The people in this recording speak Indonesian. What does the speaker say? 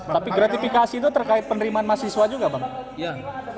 tapi gratifikasi itu terkait penerimaan mahasiswa juga bang